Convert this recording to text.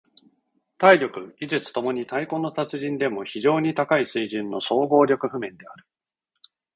体力・技術共に太鼓の達人でも非常に高い水準の総合力譜面である。